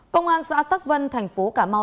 công an xã tắc vân thành phố cà mau tỉnh cà mau